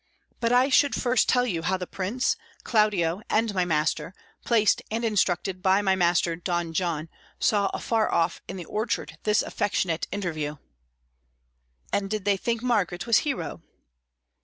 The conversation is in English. But I should first tell you how the Prince, Claudio, and my master, placed and instructed by my master Don John, saw afar off in the orchard this affectionate interview." "And did they think Margaret was Hero?"